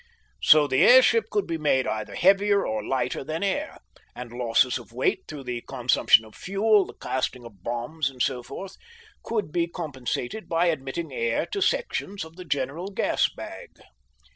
So the airship could be made either heavier or lighter than air, and losses of weight through the consumption of fuel, the casting of bombs and so forth, could also be compensated by admitting air to sections of the general gas bag.